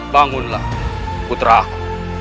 bangunlah putra aku